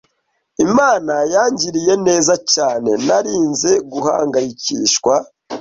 " Imana yangiriye neza cyane ntarinze guhangayikishwa